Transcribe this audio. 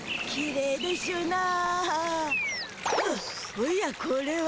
おやこれは？